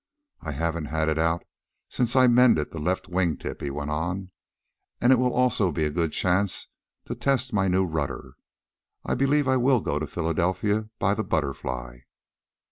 "I haven't had it out since I mended the left wing tip," he went on, "and it will also be a good chance to test my new rudder. I believe I WILL go to Philadelphia by the BUTTERFLY."